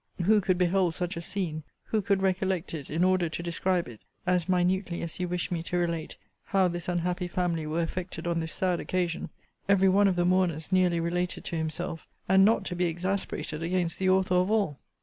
Who could behold such a scene, who could recollect it in order to describe it, (as minutely as you wished me to relate how this unhappy family were affected on this sad occasion,) every one of the mourners nearly related to himself, and not to be exasperated against the author of all?